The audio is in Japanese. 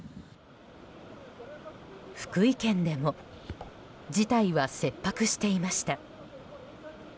福井県でも事態は切迫していました。